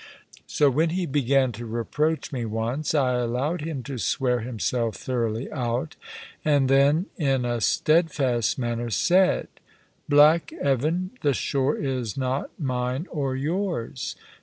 So when he began to reproach me once, I allowed him to swear himself thoroughly out, and then, in a steadfast manner, said, "Black Evan, the shore is not mine or yours.